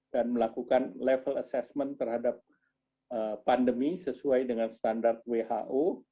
dan melakukan level assessment terhadap pandemi sesuai dengan standar who